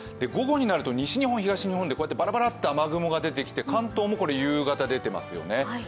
午後になると西日本、東日本でばらばらっと雨雲が出てきて関東も夕方、出てますよね。